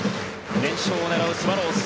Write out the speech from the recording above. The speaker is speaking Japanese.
連勝を狙うスワローズ。